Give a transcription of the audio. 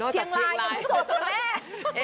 เชียงลายกับอิสโตตัวแม่